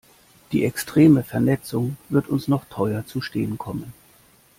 Die extreme Vernetzung wird uns noch teuer zu stehen kommen.